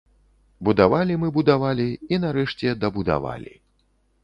Будавалі мы будавалі, і, нарэшце дабудавалі.